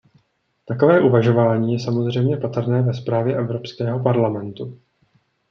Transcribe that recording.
Takové uvažování je samozřejmě patrné ve zprávě Evropského parlamentu.